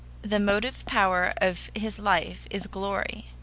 The motive power of his life is glory.